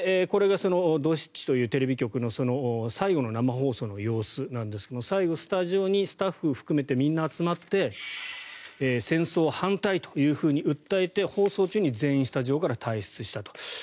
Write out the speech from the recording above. これがドシチというテレビ局の最後の生放送の様子なんですが最後、スタジオにスタッフ含めてみんな集まって戦争反対というふうに訴えて放送中に全員スタジオから退出したと。